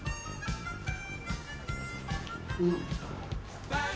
うん。